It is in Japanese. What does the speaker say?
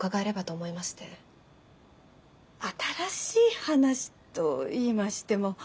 新しい話といいましても。